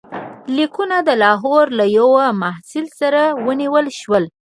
لیکونه د لاهور له یوه محصل سره ونیول شول.